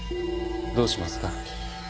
どうしますか？